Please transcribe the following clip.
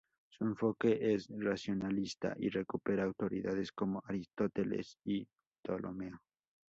Su enfoque es racionalista y recupera autoridades como Aristóteles y Ptolomeo.